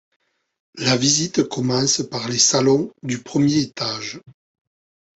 La visite commence par les salons du premier étage.